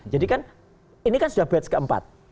kan ini kan sudah batch keempat